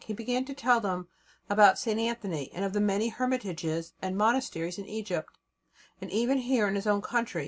He began to tell them about St. Anthony, and of the many hermitages and monasteries in Egypt, and even here in his own country.